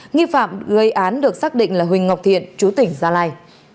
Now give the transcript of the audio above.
nghi phạm gây án được xác định là huỳnh ngọc thiện chú tỉnh gia lai